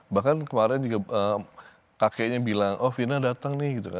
bahkan kemarin juga kakeknya bilang oh vina datang nih